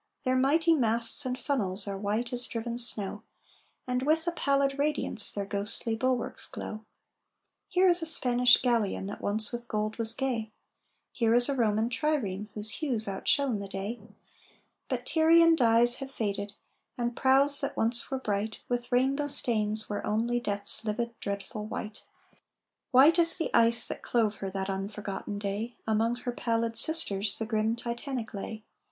Their mighty masts and funnels Are white as driven snow, And with a pallid radiance Their ghostly bulwarks glow. Here is a Spanish galleon That once with gold was gay, Here is a Roman trireme Whose hues outshone the day. But Tyrian dyes have faded, And prows that once were bright With rainbow stains wear only Death's livid, dreadful white. White as the ice that clove her That unforgotten day, Among her pallid sisters The grim Titanic lay.